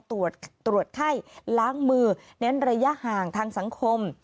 ตรวจไข้ล้างมือเน้นระยะห่างทางสังคม